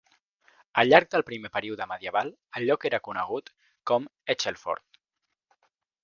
Al llarg del primer període medieval, el lloc era conegut com Echelford.